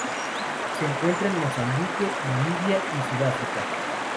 Se encuentra en Mozambique, Namibia y Sudáfrica.